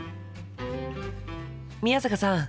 宮坂さん